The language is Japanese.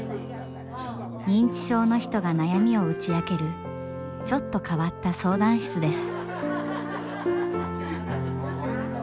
認知症の人が悩みを打ち明けるちょっと変わった相談室です。